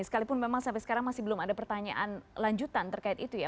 sekalipun memang sampai sekarang masih belum ada pertanyaan lanjutan terkait itu ya